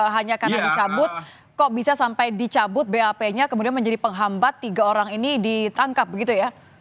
hanya karena dicabut kok bisa sampai dicabut bap nya kemudian menjadi penghambat tiga orang ini ditangkap begitu ya